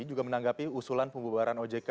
juga menanggapi usulan pembubaran ojk